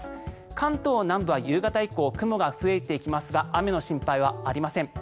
関東南部は夕方以降雲が増えていきますが雨の心配はありません。